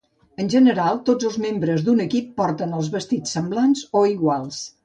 En general, tots els membres d'un equip porten els vestits semblants o iguals.